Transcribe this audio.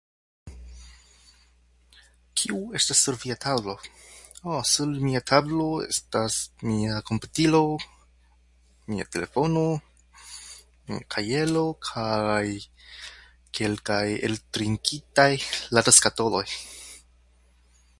Kiu estas sur via tablo? Ah... sur mia tablo estas mia komputilo, mia telefono, kajero kaj kelkaj eltrinkitaj ladaskatoloj.